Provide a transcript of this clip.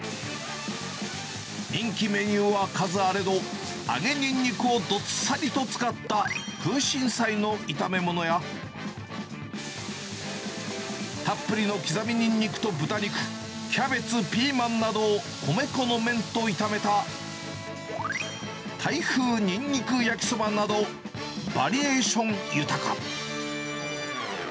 人気メニューは数あれど、揚げニンニクをどっさりと使った空芯菜の炒め物や、たっぷりの刻みニンニクと豚肉、キャベツ、ピーマンなどを米粉の麺と炒めた、タイ風にんにく焼きそばなど、バリエーション豊か。